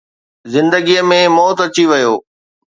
زندگيءَ ۾ موت اچي ويو